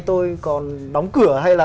tôi còn đóng cửa hay là